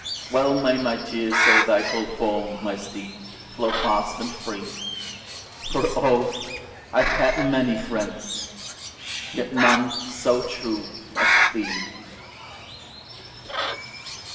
Well may my tears o'er thy cold form, My steed, flow fast and free, For, oh! I have had many friends, Yet none so true as thee!